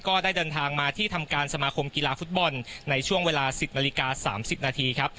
ก็ได้เดินทางมาที่ทำการสมาคมกีฬาฟุตบอลในช่วงเวลา๑๐นาฬิกา๓๐นาทีครับ